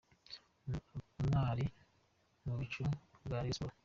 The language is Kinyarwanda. Umwali mu bicu ku bwa Rayon Sports.